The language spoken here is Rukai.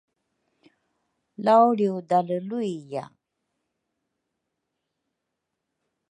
lawlriudale luiya.